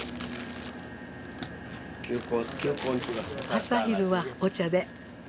朝昼はお茶で。